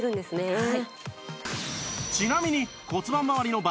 はい。